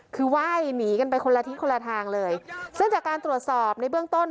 คือไหว้หนีกันไปคนละทิศคนละทางเลยซึ่งจากการตรวจสอบในเบื้องต้น